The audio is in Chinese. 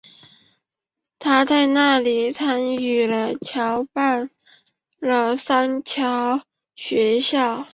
她在那里参与创办了三桥学校。